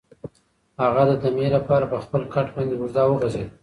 هغه د دمې لپاره په خپل کټ باندې اوږد وغځېد.